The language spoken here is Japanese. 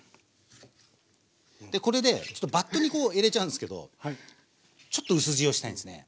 これでバットにこう入れちゃうんすけどちょっとうす塩したいんすね。